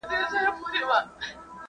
ایمیلي وايي ماشومان دلته خوښ دي.